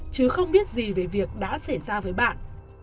chứ không biết gì về việc đã xảy ra với bạn